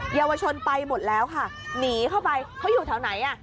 เยาวชนไปหมดแล้วค่ะหนีเข้าไปเขาอยู่แถวไหนอ่ะ